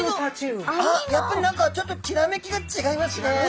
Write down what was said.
やっぱり何かちょっときらめきが違いますね。